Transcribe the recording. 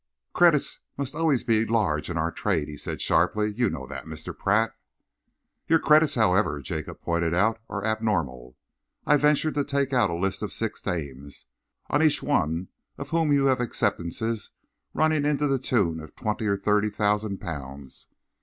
"Credits must always be large in our trade," he said sharply. "You know that, Mr. Pratt." "Your credits, however," Jacob pointed out, "are abnormal. I ventured to take out a list of six names, on each one of whom you have acceptances running to the tune of twenty or thirty thousand pounds."